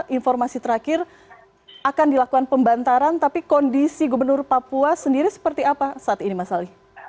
informasi terakhir akan dilakukan pembantaran tapi kondisi gubernur papua sendiri seperti apa saat ini mas ali